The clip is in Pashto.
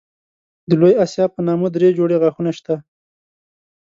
د لوی آسیاب په نامه دری جوړې غاښونه شته.